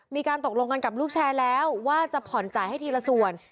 มีการตกลงกันกับลูกแชร์แล้วว่าจะผ่อนจ่ายให้ทีละส่วน